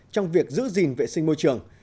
trong việc giữ gìn vệ sinh môi trường